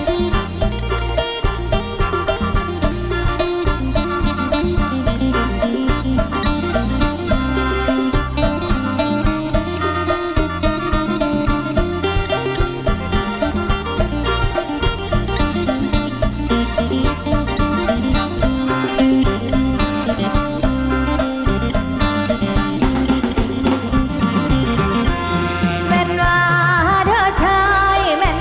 จ้าตอนย้อนจ้าตอนย้อนจ้าตอนย้อนตอนย้อนตอนย้อน